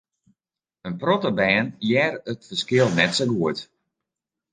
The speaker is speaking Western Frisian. In protte bern hearre it ferskil net sa goed.